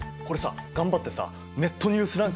これさ頑張ってさネットニュース